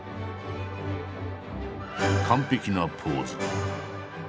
完璧なポーズ。